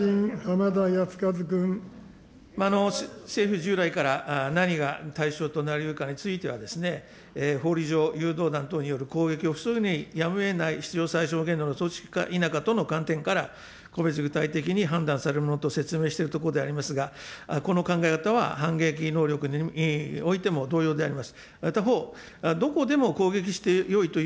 政府、従来から何が対象となりうるかについては、ほうり上、誘導に必要最小限度の措置か否かとの観点から、個別具体的に判断されるものと説明しているところでありますが、この考え方は反撃能力においても、同様であります。